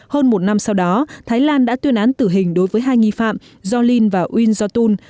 hơn một năm sau đó thái lan đã tuyên án tử hình đối với hai nghi phạm jolin và winjotun